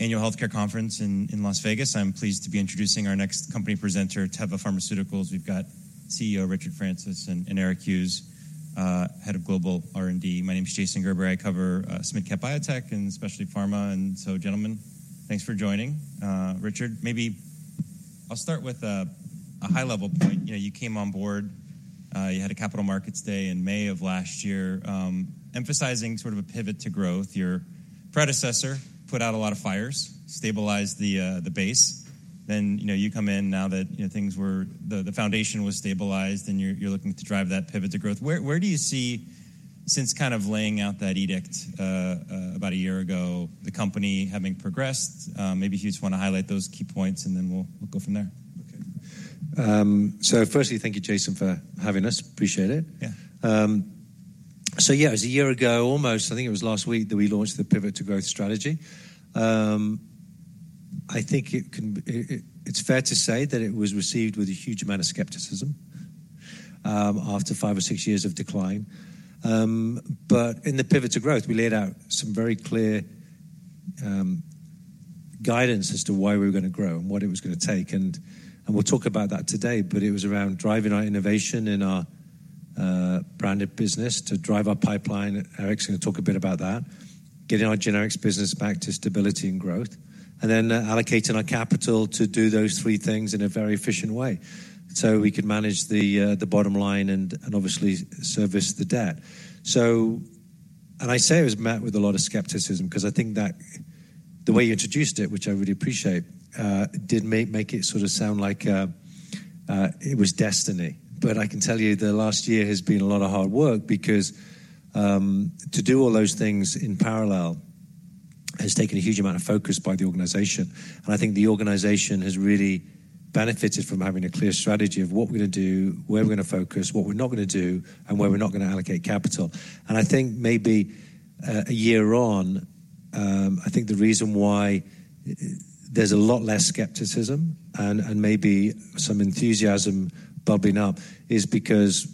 Annual healthcare conference in Las Vegas. I'm pleased to be introducing our next company presenter, Teva Pharmaceuticals. We've got CEO Richard Francis and Eric Hughes, head of global R&D. My name is Jason Gerberry. I cover SMID cap Biotech and specialty pharma. So, gentlemen, thanks for joining. Richard, maybe I'll start with a high-level point. You came on board. You had a Capital Markets Day in May of last year, emphasizing sort of a Pivot to Growth. Your predecessor put out a lot of fires, stabilized the base. Then you come in now that things were the foundation was stabilized, and you're looking to drive that Pivot to Growth. Where do you see, since kind of laying out that edict about a year ago, the company having progressed? Maybe if you just want to highlight those key points, and then we'll go from there. Okay. So firstly, thank you, Jason, for having us. Appreciate it. So yeah, it was a year ago almost. I think it was last week that we launched the Pivot to Growth strategy. I think it's fair to say that it was received with a huge amount of skepticism after five or six years of decline. But in the Pivot to Growth, we laid out some very clear guidance as to why we were going to grow and what it was going to take. And we'll talk about that today. But it was around driving our innovation in our branded business, to drive our pipeline. Eric's going to talk a bit about that, getting our generics business back to stability and growth, and then allocating our capital to do those three things in a very efficient way so we could manage the bottom line and obviously service the debt. I say it was met with a lot of skepticism because I think that the way you introduced it, which I really appreciate, did make it sort of sound like it was destiny. But I can tell you the last year has been a lot of hard work because to do all those things in parallel has taken a huge amount of focus by the organization. I think the organization has really benefited from having a clear strategy of what we're going to do, where we're going to focus, what we're not going to do, and where we're not going to allocate capital. I think maybe a year on, I think the reason why there's a lot less skepticism and maybe some enthusiasm bubbling up is because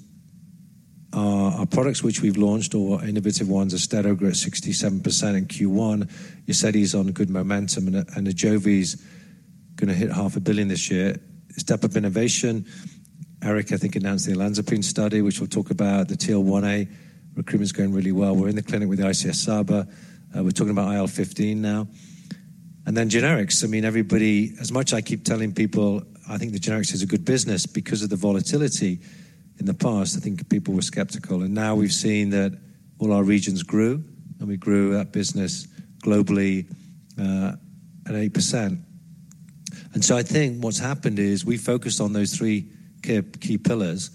our products, which we've launched, our innovative ones, are Austedo grew 67% in Q1. Uzedy's on good momentum. Ajovy's going to hit $500 million this year. Step Up Innovation. Eric, I think, announced the olanzapine study, which we'll talk about. The TL1A recruitment's going really well. We're in the clinic with the ICS/SABA. We're talking about IL-15 now. Then generics. I mean, everybody as much as I keep telling people, I think the generics is a good business. Because of the volatility in the past, I think people were skeptical. Now we've seen that all our regions grew. We grew that business globally at 8%. So I think what's happened is we focused on those three key pillars.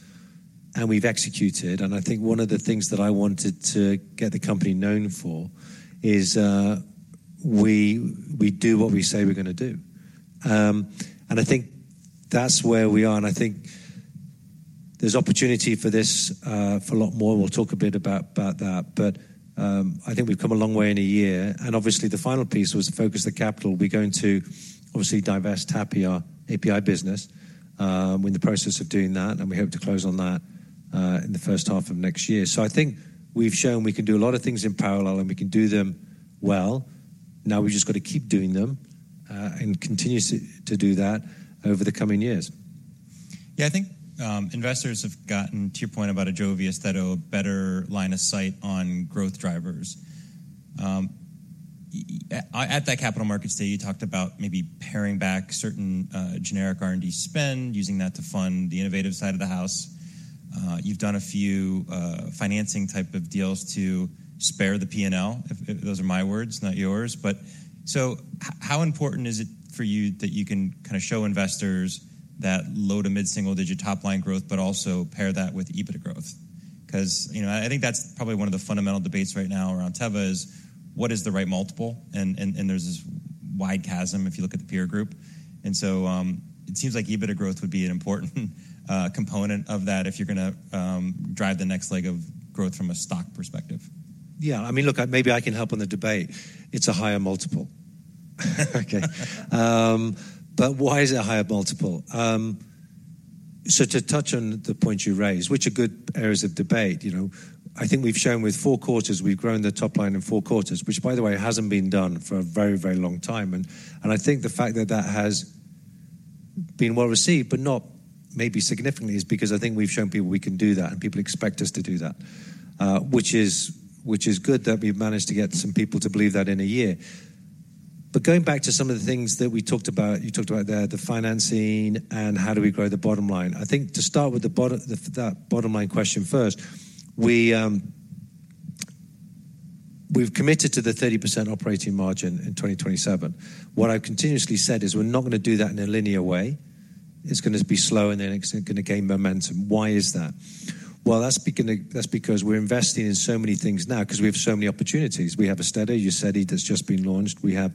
We've executed. I think one of the things that I wanted to get the company known for is we do what we say we're going to do. I think that's where we are. I think there's opportunity for this for a lot more. We'll talk a bit about that. I think we've come a long way in a year. Obviously, the final piece was to focus the capital. We're going to obviously divest TAPI, our API business, in the process of doing that. We hope to close on that in the first half of next year. I think we've shown we can do a lot of things in parallel. We can do them well. Now we've just got to keep doing them and continue to do that over the coming years. Yeah, I think investors have gotten, to your point about Ajovy and Austedo, a better line of sight on growth drivers. At that Capital Markets Day, you talked about maybe paring back certain generic R&D spend, using that to fund the innovative side of the house. You've done a few financing type of deals to spare the P&L. Those are my words, not yours. So how important is it for you that you can kind of show investors that low to mid-single digit top line growth, but also pair that with EBITDA growth? Because I think that's probably one of the fundamental debates right now around Teva is, what is the right multiple? And there's this wide chasm if you look at the peer group. So it seems like EBITDA growth would be an important component of that if you're going to drive the next leg of growth from a stock perspective. Yeah, I mean, look, maybe I can help in the debate. It's a higher multiple. Okay. But why is it a higher multiple? So to touch on the points you raise, which are good areas of debate, I think we've shown with four quarters, we've grown the top line in four quarters, which, by the way, hasn't been done for a very, very long time. And I think the fact that that has been well received, but not maybe significantly, is because I think we've shown people we can do that. And people expect us to do that, which is good that we've managed to get some people to believe that in a year. But going back to some of the things that we talked about, you talked about there, the financing and how do we grow the bottom line. I think to start with that bottom line question first, we've committed to the 30% operating margin in 2027. What I've continuously said is, we're not going to do that in a linear way. It's going to be slow. Then it's going to gain momentum. Why is that? Well, that's because we're investing in so many things now because we have so many opportunities. We have Austedo, Uzedy, that's just been launched. We have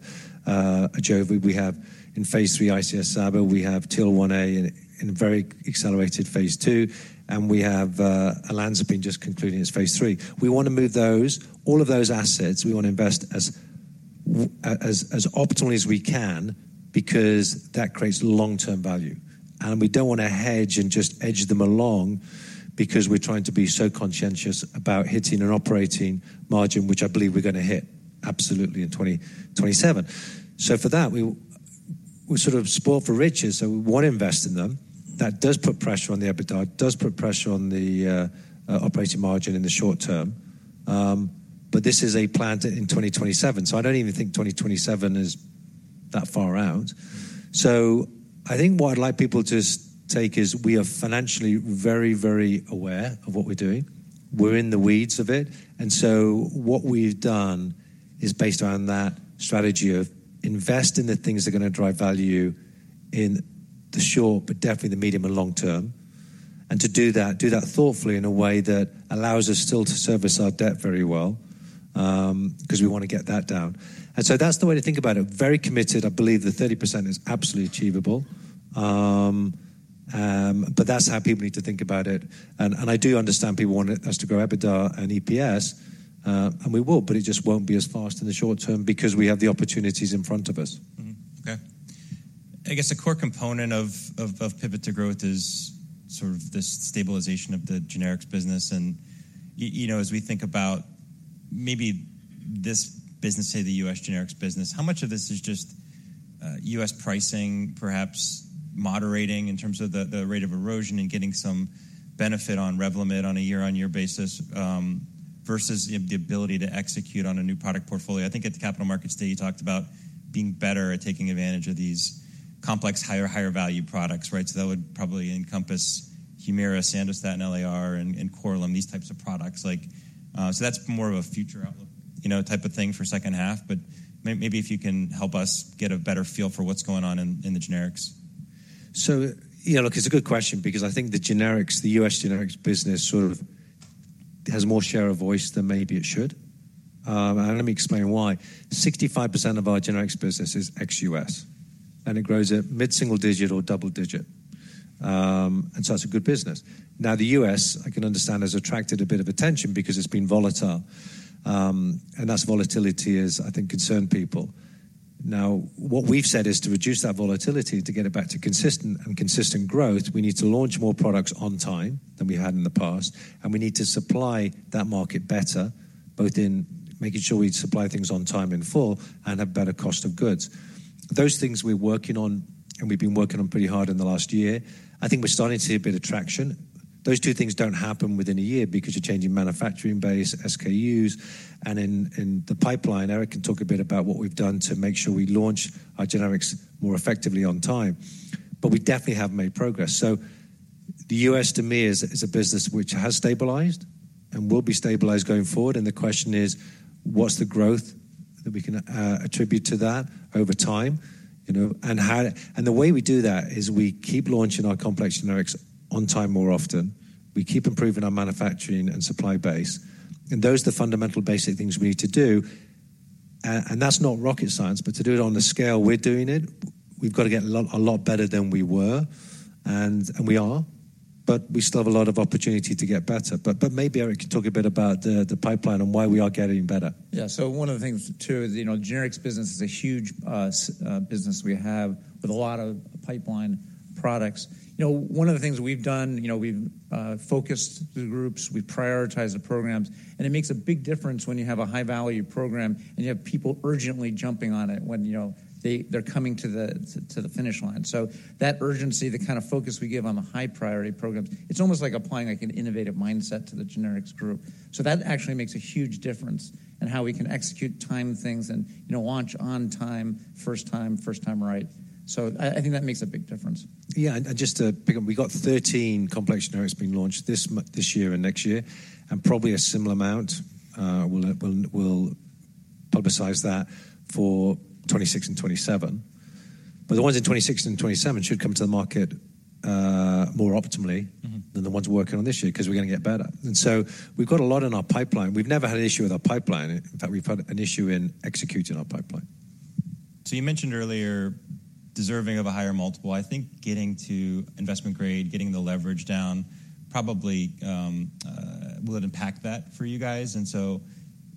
Ajovy. We have, in phase III, ICS/SABA. We have TL1A in very accelerated phase II. And we have olanzapine just concluding its phase III. We want to move those, all of those assets, we want to invest as optimally as we can because that creates long-term value. And we don't want to hedge and just edge them along because we're trying to be so conscientious about hitting an operating margin, which I believe we're going to hit absolutely in 2027. So for that, we're sort of spoiled for riches. So we want to invest in them. That does put pressure on the EBITDA, does put pressure on the operating margin in the short term. But this is a plan in 2027. So I don't even think 2027 is that far out. So I think what I'd like people to take is, we are financially very, very aware of what we're doing. We're in the weeds of it. And so what we've done is based on that strategy of invest in the things that are going to drive value in the short, but definitely the medium and long term. To do that, do that thoughtfully in a way that allows us still to service our debt very well because we want to get that down. So that's the way to think about it. Very committed. I believe the 30% is absolutely achievable. But that's how people need to think about it. I do understand people want us to grow EBITDA and EPS. We will. But it just won't be as fast in the short term because we have the opportunities in front of us. Okay. I guess a core component of Pivot to Growth is sort of this stabilization of the generics business. As we think about maybe this business, say the U.S. generics business, how much of this is just U.S. pricing, perhaps moderating in terms of the rate of erosion and getting some benefit on Revlimid on a year-on-year basis versus the ability to execute on a new product portfolio? I think at the Capital Markets Day, you talked about being better at taking advantage of these complex, higher-value products. That would probably encompass Humira, Sandostatin LAR, and Korlym, these types of products. That's more of a future outlook type of thing for second half. Maybe if you can help us get a better feel for what's going on in the generics. So yeah, look, it's a good question because I think the generics, the U.S. generics business, sort of has more share of voice than maybe it should. And let me explain why. 65% of our generics business is ex-U.S. And it grows at mid-single digit or double digit. And so it's a good business. Now, the U.S., I can understand, has attracted a bit of attention because it's been volatile. And that volatility has, I think, concerned people. Now, what we've said is, to reduce that volatility, to get it back to consistent and consistent growth, we need to launch more products on time than we had in the past. And we need to supply that market better, both in making sure we supply things on time in full and have better cost of goods. Those things we're working on, and we've been working on pretty hard in the last year, I think we're starting to see a bit of traction. Those two things don't happen within a year because you're changing manufacturing base, SKUs. And in the pipeline, Eric can talk a bit about what we've done to make sure we launch our generics more effectively on time. But we definitely have made progress. So the U.S., to me, is a business which has stabilized and will be stabilized going forward. And the question is, what's the growth that we can attribute to that over time? And the way we do that is, we keep launching our complex generics on time more often. We keep improving our manufacturing and supply base. And those are the fundamental basic things we need to do. And that's not rocket science. But to do it on the scale we're doing it, we've got to get a lot better than we were. And we are. But we still have a lot of opportunity to get better. But maybe Eric can talk a bit about the pipeline and why we are getting better. Yeah, so one of the things, too, is the generics business is a huge business we have with a lot of pipeline products. One of the things we've done, we've focused the groups. We've prioritized the programs. And it makes a big difference when you have a high-value program and you have people urgently jumping on it when they're coming to the finish line. So that urgency, the kind of focus we give on the high-priority programs, it's almost like applying an innovative mindset to the generics group. So that actually makes a huge difference in how we can execute timed things and launch on time, first time, first time right. So I think that makes a big difference. Yeah, and just to pick up, we've got 13 complex generics being launched this year and next year, and probably a similar amount we'll publicize that for 2026 and 2027. But the ones in 2026 and 2027 should come to the market more optimally than the ones we're working on this year because we're going to get better. And so we've got a lot in our pipeline. We've never had an issue with our pipeline. In fact, we've had an issue in executing our pipeline. So you mentioned earlier deserving of a higher multiple. I think getting to investment grade, getting the leverage down, probably will it impact that for you guys? And so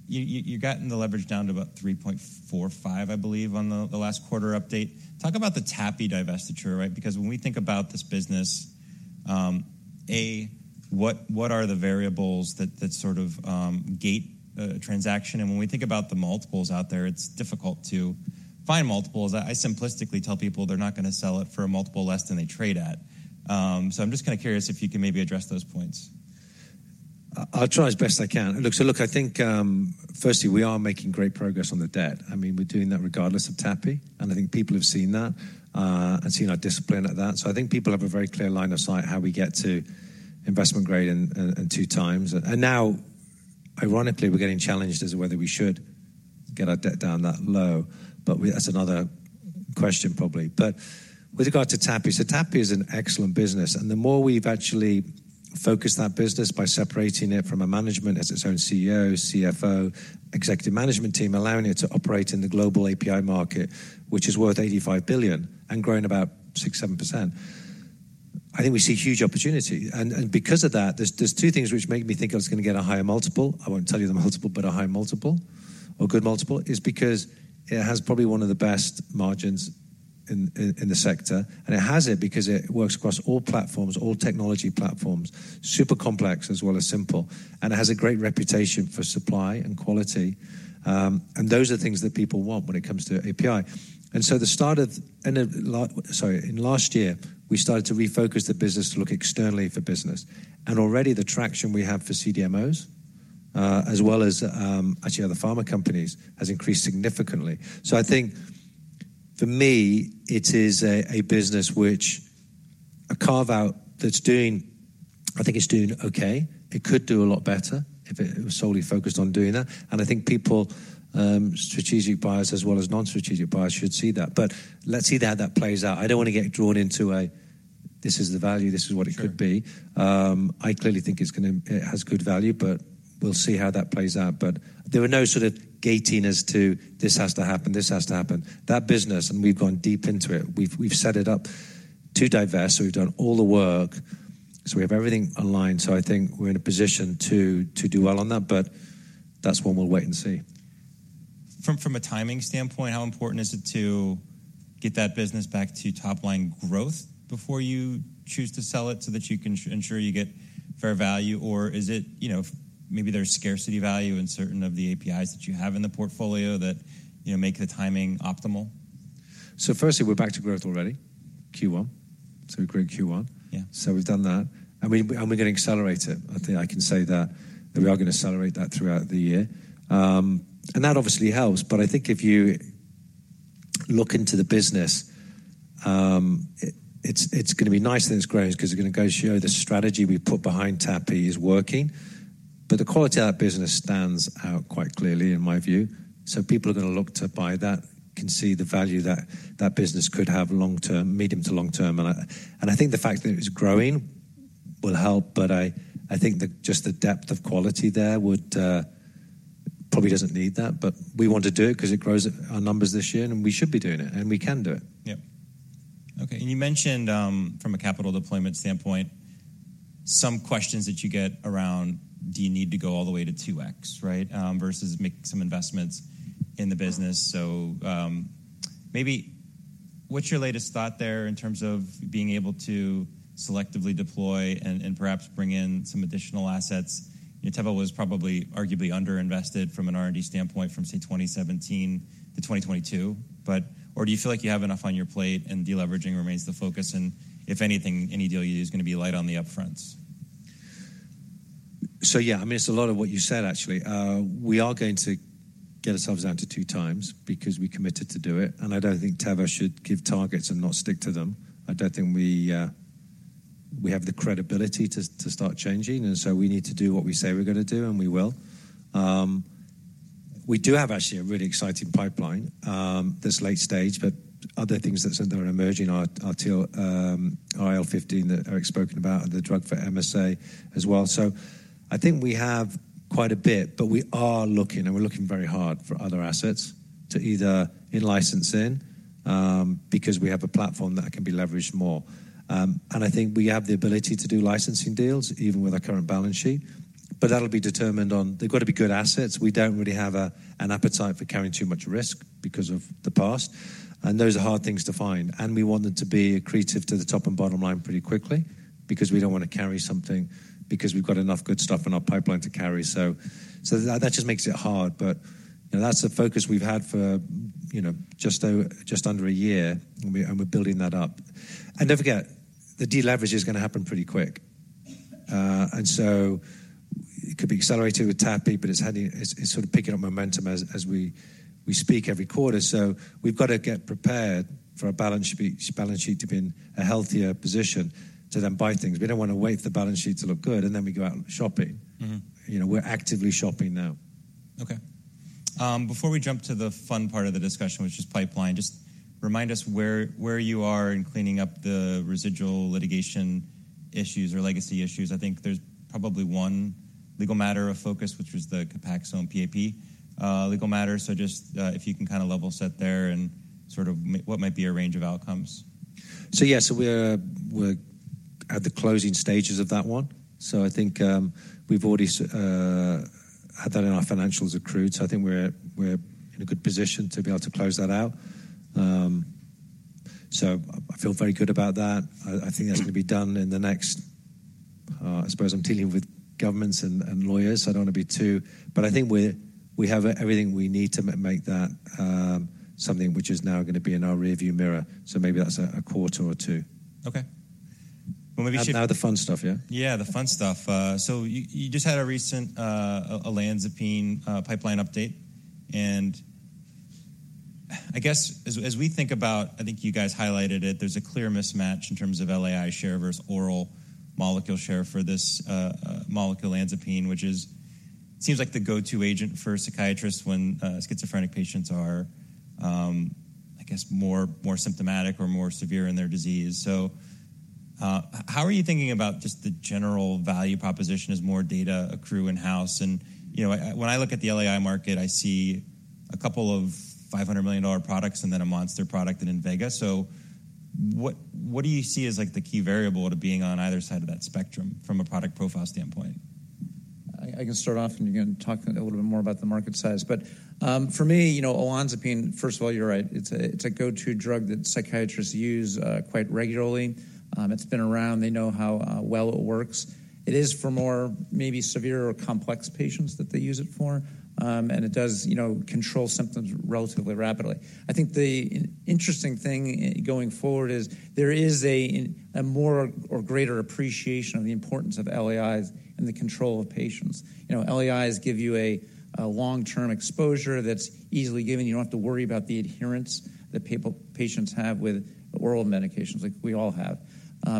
you've gotten the leverage down to about 3.45, I believe, on the last quarter update. Talk about the TAPI divestiture, right? Because when we think about this business, A, what are the variables that sort of gate a transaction? And when we think about the multiples out there, it's difficult to find multiples. I simplistically tell people they're not going to sell it for a multiple less than they trade at. So I'm just kind of curious if you can maybe address those points. I'll try as best I can. Look, so look, I think, firstly, we are making great progress on the debt. I mean, we're doing that regardless of TAPI. And I think people have seen that and seen our discipline at that. So I think people have a very clear line of sight how we get to investment grade in two times. And now, ironically, we're getting challenged as to whether we should get our debt down that low. But that's another question, probably. But with regard to TAPI, so TAPI is an excellent business. And the more we've actually focused that business by separating it from a management as its own CEO, CFO, executive management team, allowing it to operate in the global API market, which is worth $85 billion and growing about 6%-7%, I think we see huge opportunity. Because of that, there are two things which make me think I was going to get a higher multiple. I won't tell you the multiple, but a higher multiple or good multiple is because it has probably one of the best margins in the sector. And it has it because it works across all platforms, all technology platforms, super complex as well as simple. And it has a great reputation for supply and quality. And those are things that people want when it comes to API. And so, in last year, we started to refocus the business to look externally for business. And already, the traction we have for CDMOs, as well as actually other pharma companies, has increased significantly. So I think, for me, it is a business which a carve-out that's doing—I think—it's doing OK. It could do a lot better if it was solely focused on doing that. And I think people, strategic buyers as well as non-strategic buyers, should see that. But let's see how that plays out. I don't want to get drawn into a, this is the value. This is what it could be. I clearly think it has good value. But we'll see how that plays out. But there are no sort of gating as to, this has to happen. This has to happen. That business, and we've gone deep into it, we've set it up to divest. So we've done all the work. So we have everything aligned. So I think we're in a position to do well on that. But that's one we'll wait and see. From a timing standpoint, how important is it to get that business back to top line growth before you choose to sell it so that you can ensure you get fair value? Or is it maybe there's scarcity value in certain of the APIs that you have in the portfolio that make the timing optimal? So firstly, we're back to growth already, Q1. So we're great Q1. So we've done that. And we're going to accelerate it. I think I can say that. We are going to accelerate that throughout the year. And that obviously helps. But I think if you look into the business, it's going to be nice that it's growing because it's going to go show the strategy we put behind TAPI is working. But the quality of that business stands out quite clearly, in my view. So people are going to look to buy that, can see the value that that business could have long-term, medium to long term. And I think the fact that it's growing will help. But I think just the depth of quality there would probably doesn't need that. But we want to do it because it grows our numbers this year. We should be doing it. We can do it. Yeah. Okay, and you mentioned, from a capital deployment standpoint, some questions that you get around, do you need to go all the way to 2x, right, versus make some investments in the business? So maybe what's your latest thought there in terms of being able to selectively deploy and perhaps bring in some additional assets? Teva was probably arguably underinvested from an R&D standpoint from, say, 2017 to 2022. But do you feel like you have enough on your plate and deleveraging remains the focus? And if anything, any deal you do is going to be light on the upfront? So yeah, I mean, it's a lot of what you said, actually. We are going to get ourselves down to 2x because we committed to do it. And I don't think Teva should give targets and not stick to them. I don't think we have the credibility to start changing. And so we need to do what we say we're going to do. And we will. We do have, actually, a really exciting pipeline this late stage. But other things that are emerging, our IL-15 that Eric's spoken about, the drug for MSA as well. So I think we have quite a bit. But we are looking. And we're looking very hard for other assets to either license in because we have a platform that can be leveraged more. And I think we have the ability to do licensing deals, even with our current balance sheet. But that'll be determined on they've got to be good assets. We don't really have an appetite for carrying too much risk because of the past. And those are hard things to find. And we want them to be accretive to the top and bottom line pretty quickly because we don't want to carry something because we've got enough good stuff in our pipeline to carry. So that just makes it hard. But that's a focus we've had for just under a year. And we're building that up. And don't forget, the deleverage is going to happen pretty quick. And so it could be accelerated with TAPI. But it's sort of picking up momentum as we speak every quarter. So we've got to get prepared for our balance sheet to be in a healthier position to then buy things. We don't want to wait for the balance sheet to look good, and then we go out shopping. We're actively shopping now. OK. Before we jump to the fun part of the discussion, which is pipeline, just remind us where you are in cleaning up the residual litigation issues or legacy issues. I think there's probably one legal matter of focus, which was the Copaxone PAP legal matter. So just if you can kind of level set there and sort of what might be a range of outcomes. So, yeah, so we're at the closing stages of that one. So, I think we've already had that in our financials accrued. So, I think we're in a good position to be able to close that out. So, I feel very good about that. I think that's going to be done in the next. I suppose I'm dealing with governments and lawyers. So, I don't want to be too, but I think we have everything we need to make that something which is now going to be in our rearview mirror. So, maybe that's a quarter or two. Okay. Well, maybe. Now the fun stuff, yeah? Yeah, the fun stuff. So you just had a recent olanzapine pipeline update. And I guess, as we think about I think you guys highlighted it. There's a clear mismatch in terms of LAI share versus oral molecule share for this molecule olanzapine, which seems like the go-to agent for psychiatrists when schizophrenic patients are, I guess, more symptomatic or more severe in their disease. So how are you thinking about just the general value proposition as more data accrue in-house? And when I look at the LAI market, I see a couple of $500 million products and then a monster product in Invega. So what do you see as the key variable to being on either side of that spectrum from a product profile standpoint? I can start off, and you can talk a little bit more about the market size. But for me, olanzapine, first of all, you're right. It's a go-to drug that psychiatrists use quite regularly. It's been around. They know how well it works. It is for more maybe severe or complex patients that they use it for. And it does control symptoms relatively rapidly. I think the interesting thing going forward is, there is a more or greater appreciation of the importance of LAIs and the control of patients. LAIs give you a long-term exposure that's easily given. You don't have to worry about the adherence that patients have with oral medications, like we all have.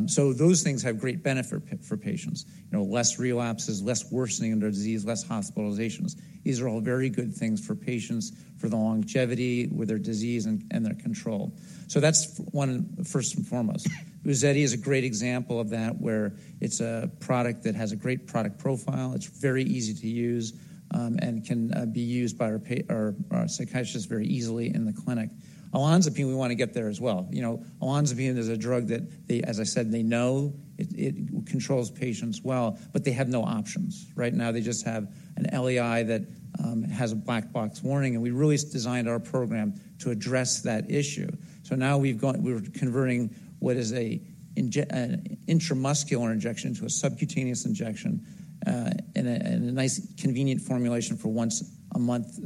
So those things have great benefit for patients: less relapses, less worsening of their disease, less hospitalizations. These are all very good things for patients for the longevity with their disease and their control. So that's one, first and foremost. Uzedy is a great example of that, where it's a product that has a great product profile. It's very easy to use and can be used by our psychiatrists very easily in the clinic. Olanzapine, we want to get there as well. Olanzapine, there's a drug that, as I said, they know it controls patients well. But they have no options. Right now, they just have an LAI that has a Black Box Warning. And we really designed our program to address that issue. So now we're converting what is an intramuscular injection into a subcutaneous injection in a nice, convenient formulation for once-a-month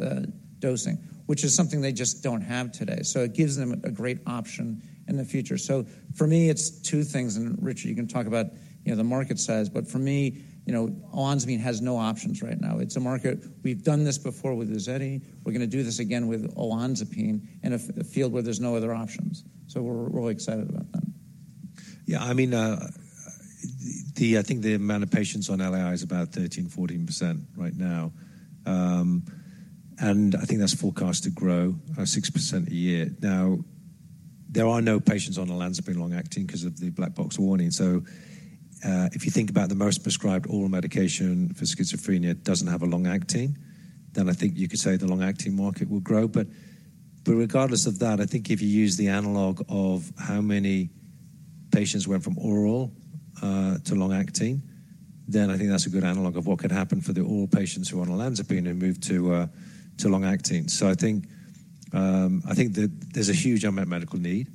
dosing, which is something they just don't have today. So it gives them a great option in the future. So for me, it's two things. And Richard, you can talk about the market size. But for me, olanzapine has no options right now. It's a market we've done this before with Uzedy. We're going to do this again with olanzapine in a field where there's no other options. So we're really excited about that. Yeah, I mean, I think the amount of patients on LAI is about 13%, 14% right now. I think that's forecast to grow 6% a year. Now, there are no patients on olanzapine long-acting because of the black box warning. So if you think about the most prescribed oral medication for schizophrenia doesn't have a long-acting, then I think you could say the long-acting market will grow. But regardless of that, I think if you use the analog of how many patients went from oral to long-acting, then I think that's a good analog of what could happen for the oral patients who are on olanzapine who move to long-acting. So I think there's a huge unmet medical need.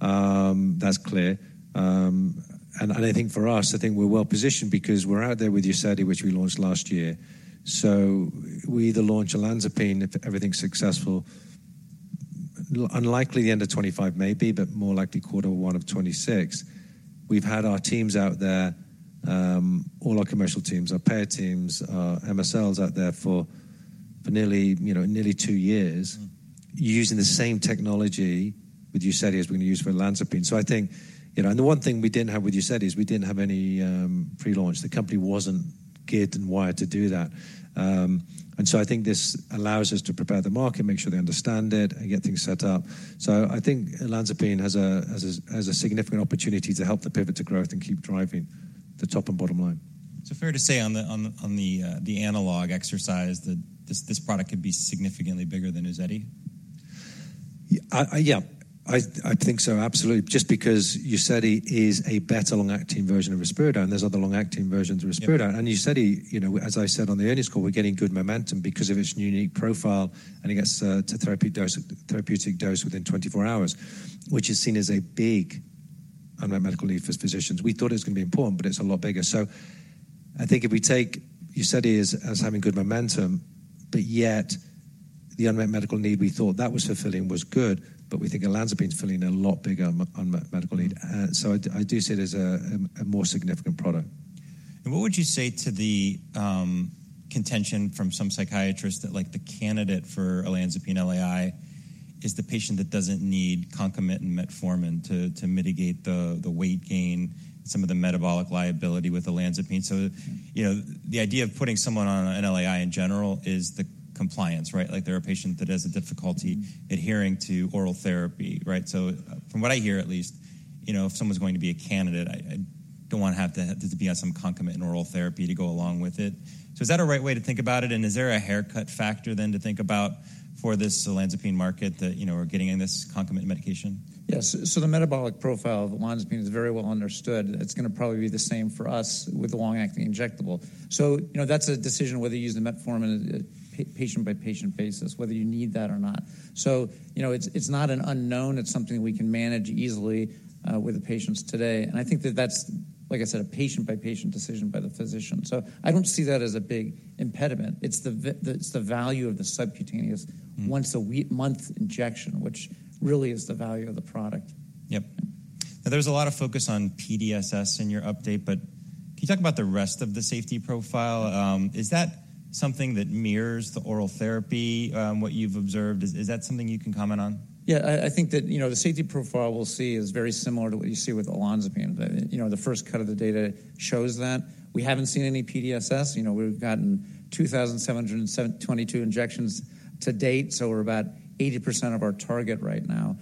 That's clear. And I think, for us, I think we're well positioned because we're out there with Uzedy, which we launched last year. So we either launch olanzapine, if everything's successful, unlikely the end of 2025, maybe, but more likely quarter one of 2026. We've had our teams out there all our commercial teams, our payer teams, our MSLs out there for nearly 2 years using the same technology with Uzedy as we're going to use for olanzapine. And the one thing we didn't have with Uzedy is, we didn't have any pre-launch. The company wasn't geared and wired to do that. And so I think this allows us to prepare the market, make sure they understand it, and get things set up. So I think olanzapine has a significant opportunity to help the Pivot to Growth and keep driving the top and bottom line. So fair to say, on the analog exercise, that this product could be significantly bigger than Uzedy? Yeah, I think so, absolutely, just because Uzedy is a better long-acting version of Risperdal. And there's other long-acting versions of Risperdal. And Uzedy, as I said on the earnings call, we're getting good momentum because of its unique profile. And it gets to therapeutic dose within 24 hours, which is seen as a big unmet medical need for physicians. We thought it was going to be important. But it's a lot bigger. So I think if we take Uzedy as having good momentum, but yet the unmet medical need we thought that was fulfilling was good. But we think olanzapine's filling a lot bigger unmet medical need. So I do see it as a more significant product. What would you say to the contention from some psychiatrists that the candidate for olanzapine LAI is the patient that doesn't need concomitant metformin to mitigate the weight gain and some of the metabolic liability with olanzapine? The idea of putting someone on an LAI in general is the compliance, right? Like there are patients that have difficulty adhering to oral therapy, right? From what I hear, at least, if someone's going to be a candidate, I don't want to have to be on some concomitant oral therapy to go along with it. Is that a right way to think about it? And is there a haircut factor, then, to think about for this olanzapine market that we're getting in this concomitant medication? Yes, so the metabolic profile of olanzapine is very well understood. It's going to probably be the same for us with the long-acting injectable. So that's a decision whether you use the metformin on a patient-by-patient basis, whether you need that or not. So it's not an unknown. It's something that we can manage easily with the patients today. And I think that that's, like I said, a patient-by-patient decision by the physician. So I don't see that as a big impediment. It's the value of the subcutaneous once-a-month injection, which really is the value of the product. Yep. Now, there was a lot of focus on PDSS in your update. But can you talk about the rest of the safety profile? Is that something that mirrors the oral therapy, what you've observed? Is that something you can comment on? Yeah, I think that the safety profile we'll see is very similar to what you see with olanzapine. The first cut of the data shows that. We haven't seen any PDSS. We've gotten 2,722 injections to date. So we're about 80% of our target right now.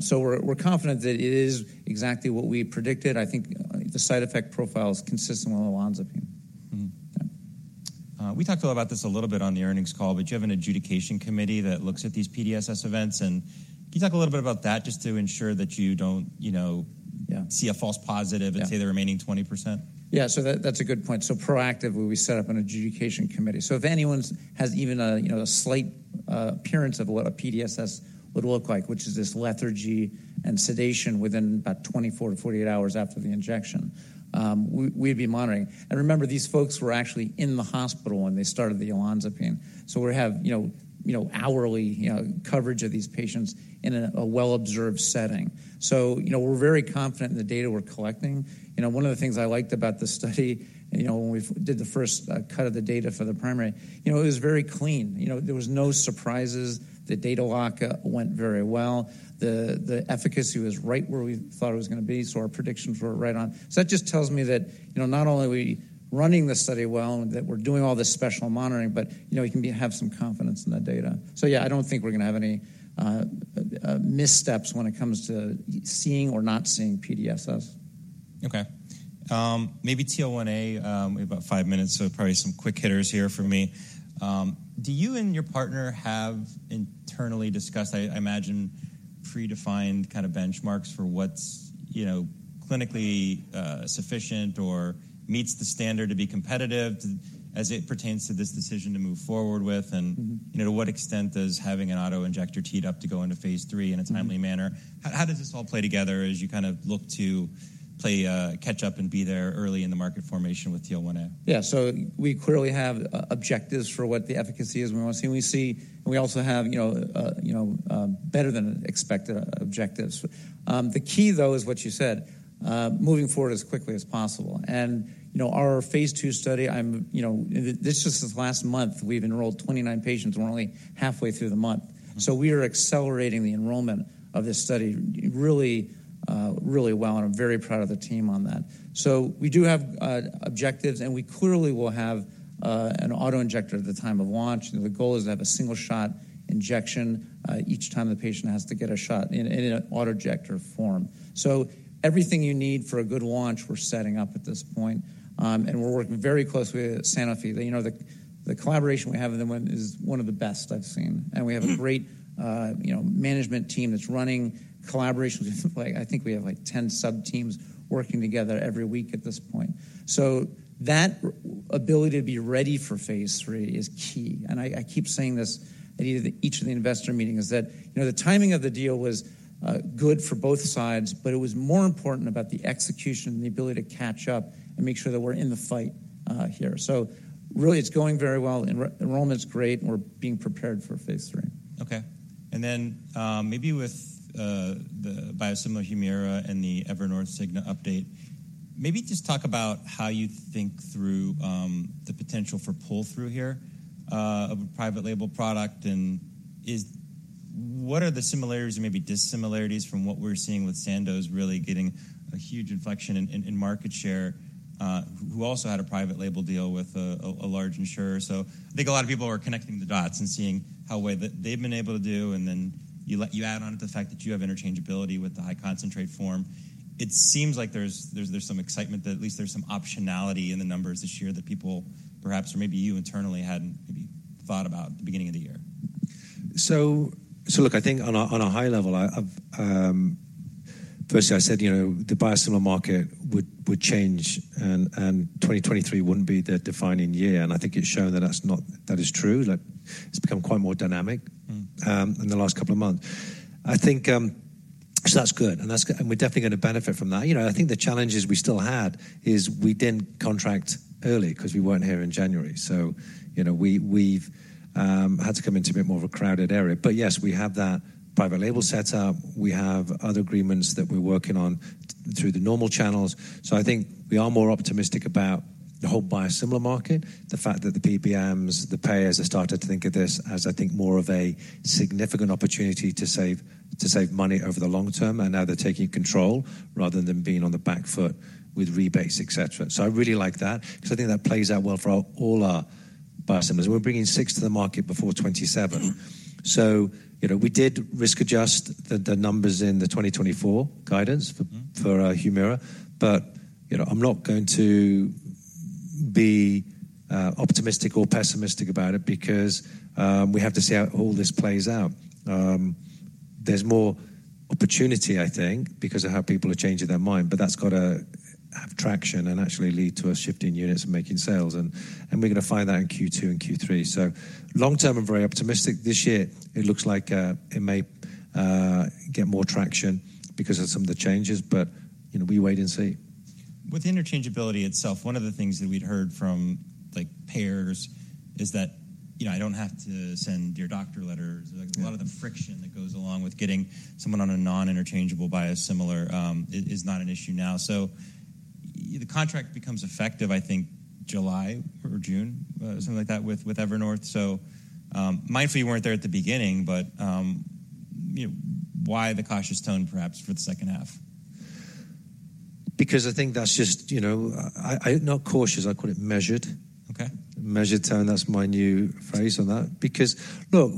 So we're confident that it is exactly what we predicted. I think the side effect profile is consistent with olanzapine. We talked about this a little bit on the earnings call. You have an adjudication committee that looks at these PDSS events. Can you talk a little bit about that, just to ensure that you don't see a false positive and say the remaining 20%? Yeah, so that's a good point. So proactively, we set up an adjudication committee. So if anyone has even a slight appearance of what a PDSS would look like, which is this lethargy and sedation within about 24-48 hours after the injection, we'd be monitoring. And remember, these folks were actually in the hospital when they started the olanzapine. So we have hourly coverage of these patients in a well-observed setting. So we're very confident in the data we're collecting. One of the things I liked about this study, when we did the first cut of the data for the primary, it was very clean. There was no surprises. The data lock went very well. The efficacy was right where we thought it was going to be. So our predictions were right on. So that just tells me that not only are we running the study well, that we're doing all this special monitoring, but we can have some confidence in the data. So yeah, I don't think we're going to have any missteps when it comes to seeing or not seeing PDSS. OK. Maybe TL1A. We have about five minutes. So probably some quick hitters here for me. Do you and your partner have internally discussed, I imagine, predefined kind of benchmarks for what's clinically sufficient or meets the standard to be competitive as it pertains to this decision to move forward with? And to what extent does having an autoinjector teed up to go into phase III in a timely manner? How does this all play together as you kind of look to catch up and be there early in the market formation with TL1A? Yeah, so we clearly have objectives for what the efficacy is we want to see. And we also have better than expected objectives. The key, though, is what you said: moving forward as quickly as possible. And our phase II study this is just the last month. We've enrolled 29 patients. And we're only halfway through the month. So we are accelerating the enrollment of this study really, really well. And I'm very proud of the team on that. So we do have objectives. And we clearly will have an autoinjector at the time of launch. The goal is to have a single shot injection each time the patient has to get a shot in an autoinjector form. So everything you need for a good launch, we're setting up at this point. And we're working very closely with Sanofi. The collaboration we have with them is one of the best I've seen. We have a great management team that's running collaborations. I think we have like 10 subteams working together every week at this point. That ability to be ready for phase III is key. I keep saying this at each of the investor meetings, is that the timing of the deal was good for both sides. But it was more important about the execution and the ability to catch up and make sure that we're in the fight here. Really, it's going very well. Enrollment's great. We're being prepared for phase III. Okay. And then maybe with the biosimilar Humira and the Evernorth Cigna update, maybe just talk about how you think through the potential for pull-through here of a private label product. And what are the similarities and maybe dissimilarities from what we're seeing with Sandoz really getting a huge inflection in market share, who also had a private label deal with a large insurer? So I think a lot of people are connecting the dots and seeing how well they've been able to do. And then you add on to the fact that you have interchangeability with the high concentrate form. It seems like there's some excitement, that at least there's some optionality in the numbers this year that people perhaps, or maybe you internally, hadn't thought about at the beginning of the year. So look, I think on a high level, firstly, I said the biosimilar market would change. And 2023 wouldn't be the defining year. And I think it's shown that is true. It's become quite more dynamic in the last couple of months. So that's good. And we're definitely going to benefit from that. I think the challenges we still had is, we didn't contract early because we weren't here in January. So we've had to come into a bit more of a crowded area. But yes, we have that private label set up. We have other agreements that we're working on through the normal channels. So I think we are more optimistic about the whole biosimilar market, the fact that the PBMs, the payers have started to think of this as, I think, more of a significant opportunity to save money over the long term. Now they're taking control, rather than being on the back foot with rebates, et cetera. I really like that because I think that plays out well for all our biosimilars. We're bringing six to the market before 2027. We did risk adjust the numbers in the 2024 guidance for Humira. But I'm not going to be optimistic or pessimistic about it because we have to see how all this plays out. There's more opportunity, I think, because of how people are changing their mind. But that's got to have traction and actually lead to us shifting units and making sales. We're going to find that in Q2 and Q3. Long term, I'm very optimistic. This year, it looks like it may get more traction because of some of the changes. But we wait and see. With interchangeability itself, one of the things that we'd heard from payers is that I don't have to send your doctor letters. A lot of the friction that goes along with getting someone on a non-interchangeable biosimilar is not an issue now. So the contract becomes effective, I think, July or June, something like that, with Evernorth. So mindfully, you weren't there at the beginning. But why the cautious tone, perhaps, for the second half? Because I think that's just not cautious. I call it measured. Measured tone, that's my new phrase on that. Because look,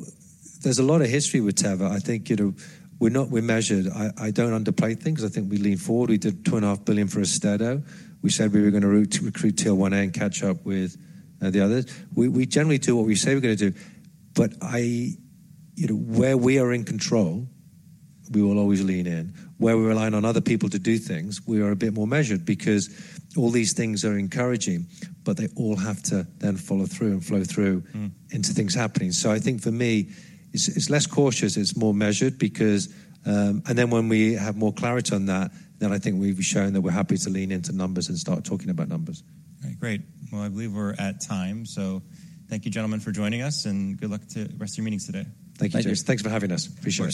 there's a lot of history with Teva. I think we're measured. I don't underplay things. I think we lean forward. We did $2.5 billion for Austedo. We said we were going to recruit TL1A and catch up with the others. We generally do what we say we're going to do. But where we are in control, we will always lean in. Where we're relying on other people to do things, we are a bit more measured because all these things are encouraging. But they all have to then follow through and flow through into things happening. So I think, for me, it's less cautious. It's more measured. And then when we have more clarity on that, then I think we've shown that we're happy to lean into numbers and start talking about numbers. All right, great. Well, I believe we're at time. So thank you, gentlemen, for joining us. And good luck to the rest of your meetings today. Thank you, Jason. Thanks for having us. Appreciate it.